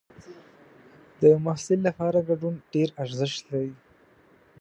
د محصل لپاره ګډون ډېر ارزښت لري.